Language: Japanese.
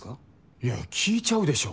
いや聞いちゃうでしょ。